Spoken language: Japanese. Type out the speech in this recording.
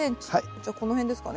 じゃあこの辺ですかね。